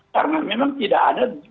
karena memang tidak ada